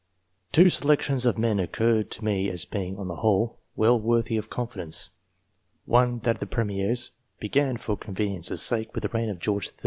Two selections of men occurred to me as being, on the whole, well worthy of confidence. One, that of the Premiers, begun, for convenience' sake, with the reign of George III.